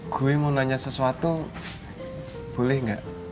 gue mau nanya sesuatu boleh nggak